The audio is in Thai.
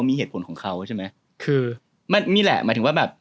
มีเหตุผลของเขาใช่ไหมคือมันนี่แหละหมายถึงว่าแบบ